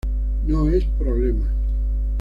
No es problema.